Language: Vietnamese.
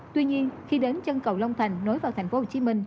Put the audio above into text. tuy nhiên khi đến chân cầu long thành nối vào tp hcm